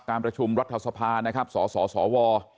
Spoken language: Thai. ประชุมรัฐสภานะครับสสว